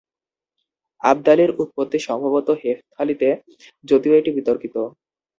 আব্দালীর উৎপত্তি সম্ভবত হেফথালিতে, যদিও এটি বিতর্কিত।